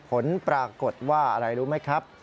ผลปรากฏว่าอะไรรู้ไหมครับ